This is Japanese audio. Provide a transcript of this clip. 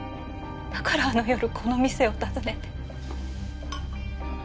だからあの夜この店を訪ねて。